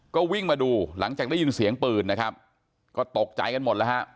ก็วิ่งมาดูหลังจากได้ยินเสียงปืนนะครับก็ตกใจกันหมดแล้วฮะ